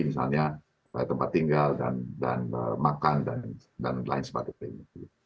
misalnya tempat tinggal dan makan dan lain sebagainya